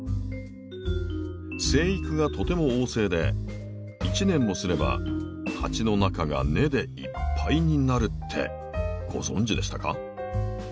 生育がとても旺盛で１年もすれば鉢の中が根でいっぱいになるってご存じでしたか？